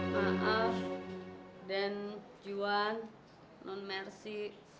maaf dan juan non mercy